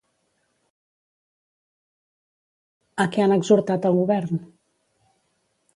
A què han exhortat al govern?